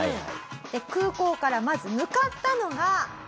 で空港からまず向かったのが。